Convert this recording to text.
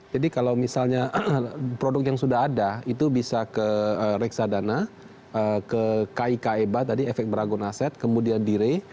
jadi kalau misalnya produk yang sudah ada itu bisa ke reksadana ke kik eba tadi efek beragun aset kemudian dire